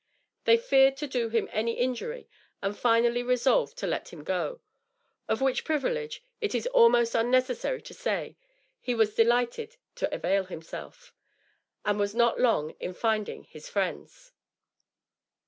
They feared to do him injury, and finally resolved to let him go; of which privilege, it is almost unnecessary to say, he was delighted to avail himself, and was not long in finding his friends.